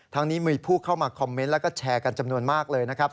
นี้มีผู้เข้ามาคอมเมนต์แล้วก็แชร์กันจำนวนมากเลยนะครับ